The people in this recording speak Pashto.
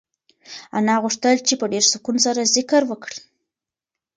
انا غوښتل چې په ډېر سکون سره ذکر وکړي.